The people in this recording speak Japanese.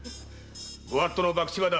御法度の博打場だ。